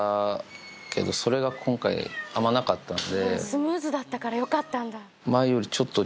スムーズだったからよかったんだ。